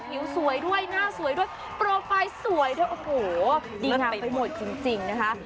ผิวสวยด้วยหน้าสวยด้วยโปรไฟล์สวยด้วยโอ้โหดีไปหมดจริงนะคะ